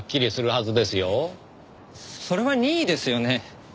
それは任意ですよね。